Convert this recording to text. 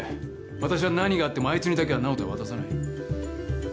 私は何があってもあいつにだけは直人は渡さない。